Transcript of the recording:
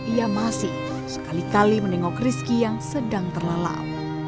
ia masih sekali kali menengok rizki yang sedang terlelap